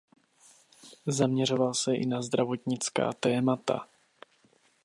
Zaměřoval se i na zdravotnická témata.